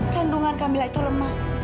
kandungan kamilah itu lemah